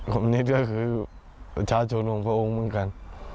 คอมมานิดก็คือชาวชนของพระองค์เหมือนกัน